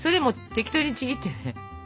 適当にちぎって。